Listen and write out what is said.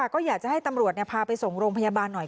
ก็อยากจะให้ตำรวจพาไปส่งโรงพยาบาลหน่อย